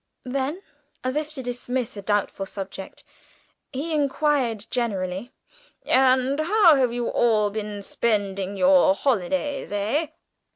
Then, as if to dismiss a doubtful subject, he inquired generally, "And how have you all been spending your holidays, eh!"